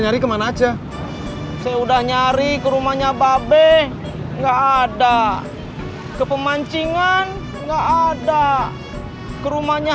nyari ke mana aja sudah nyari ke rumahnya babe nggak ada kepemancingan nggak ada ke rumahnya